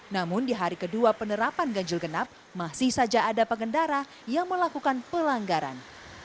namun di hari kedua penerapan ganjil genap masih saja ada pengendara yang melakukan pelanggaran